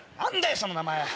その名前。